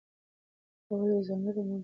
اولو د ځانګړو رنګونو توپیر ښيي.